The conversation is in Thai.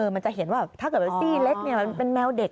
มันจะเห็นว่าถ้าเกิดเป็นซี่เล็กมันเป็นแมวเด็ก